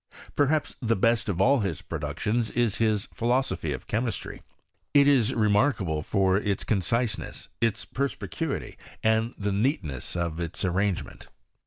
Perhaps the best of aQ his productions is his Philosophy of Chemistry. It is remarkable for its conciseuESs, its perspicuity, and the neatness of its arrangement.